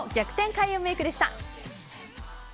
開運メイクでした。